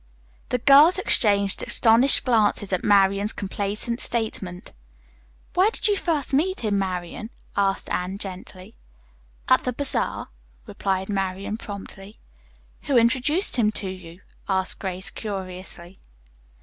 The girls exchanged astonished glances at Marian's complacent statement. "Where did you first meet him, Marian?" asked Anne gently. "At the bazaar," replied Marian promptly. "Who introduced him to you?" asked Grace curiously.